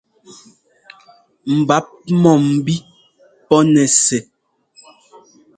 Mbǎp mɔ̂mbí pɔ́ nɛ́ sɛ́.